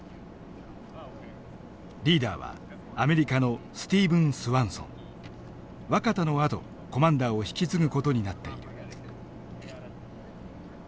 リーダーはアメリカの若田のあとコマンダーを引き継ぐ事になっている。